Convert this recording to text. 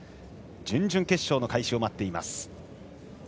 準々決勝の開始を待っています。